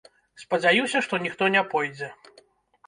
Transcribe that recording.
Спадзяюся, што ніхто не пойдзе.